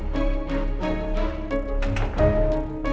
jangan sampai dia bangun ya